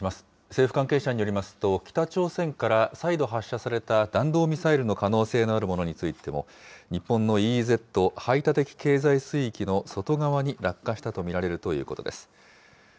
政府関係者によりますと、北朝鮮から再度発射された弾道ミサイルの可能性のあるものについても、日本のＥＥＺ・排他的経済水域の外側に落下したと見られるということです。